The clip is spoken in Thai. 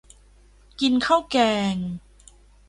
กินข้าวแกง